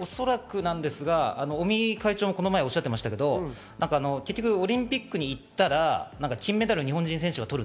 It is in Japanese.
恐らくなんですが、尾身会長がこの前、おっしゃっていましたけど結局オリンピックに行ったら金メダルを日本人選手が取ると。